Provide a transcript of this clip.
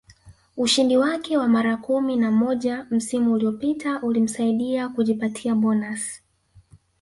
Ushindi wake wa mara kumi na moja msimu uliopita ulimsaidia kujipatia bonasi